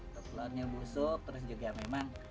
ke telurnya busuk terus juga memang